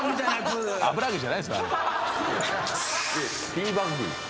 ティーバッグです。